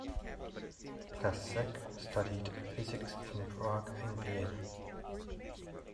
Placzek studied physics in Prague and Vienna.